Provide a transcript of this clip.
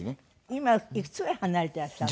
今いくつぐらい離れてらっしゃるの？